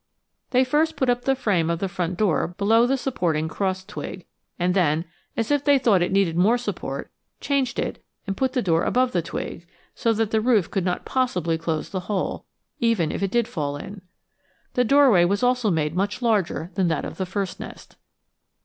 They first put the frame of the front door below the supporting cross twig, and then, as if they thought it needed more support, changed it and put the door above the twig, so that the roof could not possibly close the hole, even if it did fall in. The doorway was also made much larger than that of the first nest.